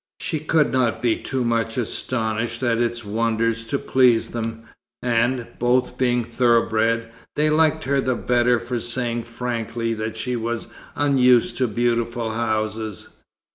She could not be too much astonished at its wonders to please them, and, both being thoroughbred, they liked her the better for saying frankly that she was unused to beautiful houses.